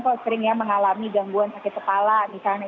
kok sering ya mengalami gangguan sakit kepala misalnya